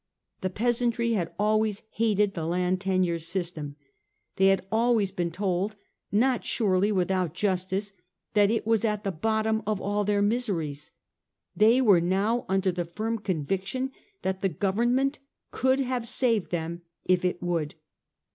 The pea santry had always hated the land tenure system; they had always been told, not surely without justice, that it was at the bottom of all their miseries ; they were now under the firm conviction that the Govern ment could have saved them if it would.